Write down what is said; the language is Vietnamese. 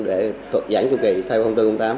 để thuộc giãn chung kỳ theo bốn trăm linh tám